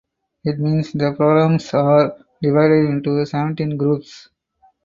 It means the programs are divided into seventeen groups.